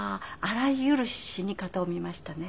あらゆる死に方を見ましたね。